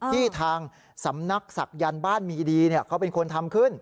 ที่ทางสำนักศักยันต์บ้านมีดีเขาเป็นคนทำขึ้น